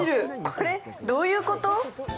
これ、どういうこと！？